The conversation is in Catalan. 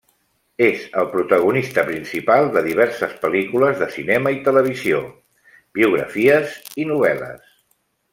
És el protagonista principal de diverses pel·lícules de cinema i televisió, biografies i novel·les.